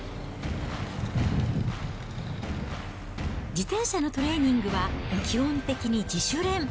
自転車のトレーニングは、基本的に自主練。